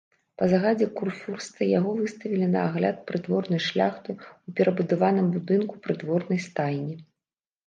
Па загадзе курфюрста яго выставілі на агляд прыдворнай шляхты ў перабудаваным будынку прыдворнай стайні.